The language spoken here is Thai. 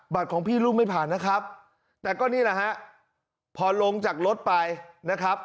ของพี่ลูกไม่ผ่านนะครับแต่ก็นี่แหละฮะพอลงจากรถไปนะครับ